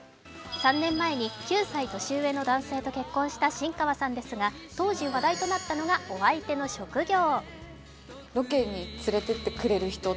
３年前に９歳年上の男性と結婚した新川さんでしたが当時話題となったのがお相手の職業。